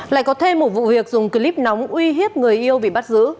lại có thêm một vụ việc dùng clip nóng uy hiếp người yêu bị bắt giữ